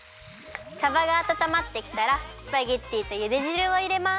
さばがあたたまってきたらスパゲッティとゆでじるをいれます。